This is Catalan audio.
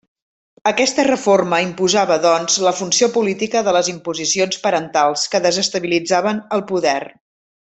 Aquesta reforma imposava doncs la funció política de les imposicions parentals que desestabilitzaven el poder.